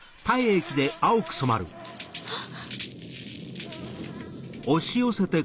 あっ！